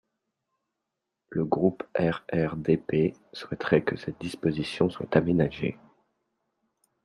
Le groupe RRDP souhaiterait que cette disposition soit aménagée.